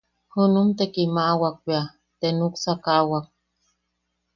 Junum te kimaʼawak bea, te nuksakaʼawak.